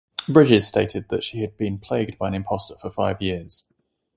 Bridges stated that she had been plagued by an impostor for five years.